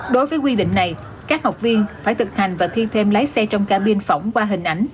đối với quy định này các học viên phải thực hành và thi thêm lái xe trong ca biên phỏng qua hình ảnh